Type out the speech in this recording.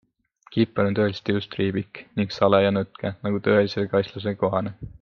Kipper on tõeliselt ilus triibik ning sale ja nõtke, nagu tõelisele kaslasele kohane!